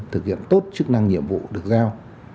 thực hiện tốt chức năng nhiệm vụ được giao